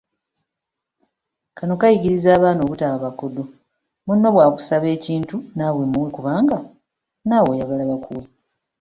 Kano kayigiriza baana butaba bakodo; munno bw’akusaba ekintu n’awe muwe kubanga n’awe oyagala bakuwe.